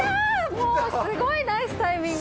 もうすごいナイスタイミング。